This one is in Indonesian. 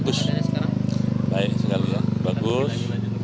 bagus baik sekali ya bagus